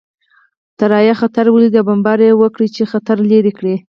الوتکو خطر ولید او بمبار یې وکړ چې خطر لرې کړي